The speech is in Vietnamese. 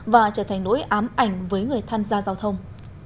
và trở thành nỗi ám ảnh với người tham gia giao thông